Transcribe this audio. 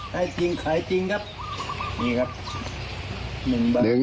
บาทนั้นก็ขายวะ